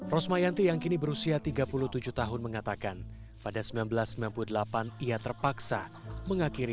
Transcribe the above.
rosmayanti yang kini berusia tiga puluh tujuh tahun mengatakan pada seribu sembilan ratus sembilan puluh delapan ia terpaksa mengakhiri